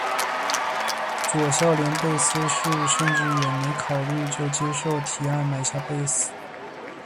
佐孝连贝斯是甚么也没考虑就接受提案买下贝斯。